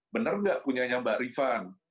benar nggak punya mbak rifan